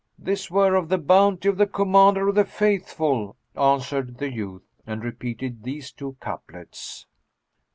"This were of the bounty of the Commander of the Faithful," answered the youth and repeated these two couplets.